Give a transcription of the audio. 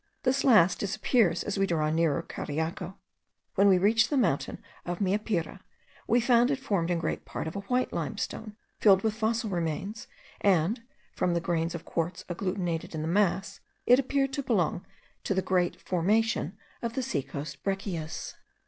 This last disappears as we draw nearer to Cariaco. When we reached the mountain of Meapira, we found it formed in great part of a white limestone, filled with fossil remains, and from the grains of quartz agglutinated in the mass, it appeared to belong to the great formation of the sea coast breccias.